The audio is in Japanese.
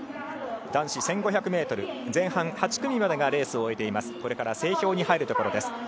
男子１５００ｍ前半８組までがレースを終えてこれから整氷に入るところです。